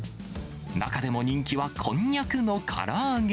中でも人気はこんにゃくのから揚げ。